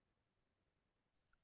mungkin kalau di standar di thailand